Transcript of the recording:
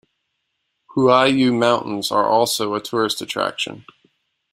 Huaiyu Mountains are also a tourist attraction.